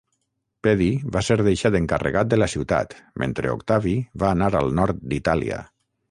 Pedi va ser deixat encarregat de la ciutat mentre Octavi va anar al nord d'Itàlia.